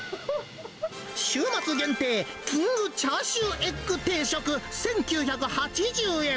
週末限定キングチャーシューエッグ定食１９８０円。